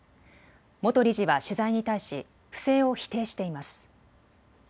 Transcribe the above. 元理事は取材に対し不正を否定しています。